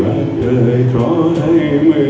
รักช่วยกันแล้วกับน้อย